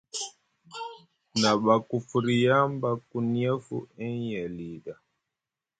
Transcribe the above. Na ɓa ku firya ɓa ku niyafu aŋye lii ɗa.